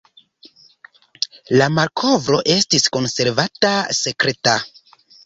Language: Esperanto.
La malkovro estis konservata sekreta.